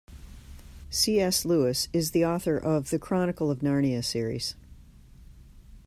C.S. Lewis is the author of The Chronicles of Narnia series.